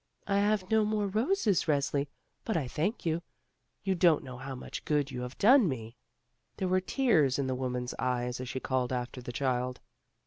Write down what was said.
"I have no more roses, Resli, but I thank you; you don't know how much good you have done me!" A LITTLE HELPER 29 There were tears in the woman's eyes as she called after the child.